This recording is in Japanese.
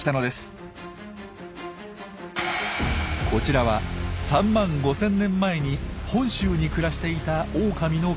こちらは３万５千年前に本州に暮らしていたオオカミの化石。